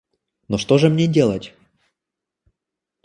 Но что же мне делать?